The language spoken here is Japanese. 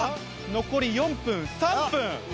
残り４分３分。